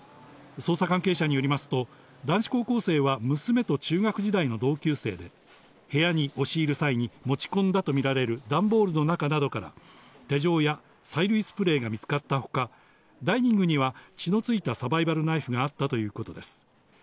捜査関係者によりますと、男子高校生は娘と中学時代の同級生で、部屋に押し入る際に持ち込んだとみられる段ボールの中などから、手錠や催涙スプレーなどが見つかったほか、ダイニングには血のついたサバイバルナイフがあったということです。